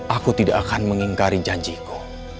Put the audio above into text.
aku tidak akan mengingkari janjiku